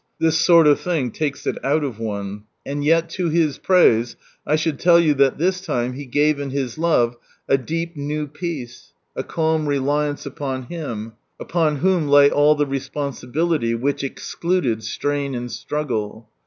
This sort of thing takes it out of one. And yet to His praise I should tell you that this time He gave in His love a deep new peace, a calm reliance upon Him, upon Whom lay all the responsi bility, which excluded strain and struggle.